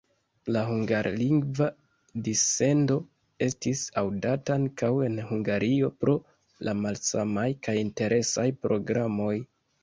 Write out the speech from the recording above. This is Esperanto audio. La hungarlingva dissendo estis aŭdata ankaŭ en Hungario pro la malsamaj kaj interesaj programoj.